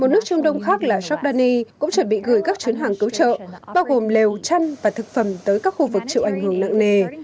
một nước trung đông khác là giordani cũng chuẩn bị gửi các chuyến hàng cứu trợ bao gồm lều chăn và thực phẩm tới các khu vực chịu ảnh hưởng nặng nề